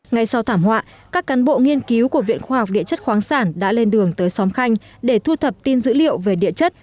ngay sau thảm họa các cán bộ nghiên cứu của viện khoa học địa chất khoáng sản đã lên đường tới xóm khanh để thu thập tin dữ liệu về địa chất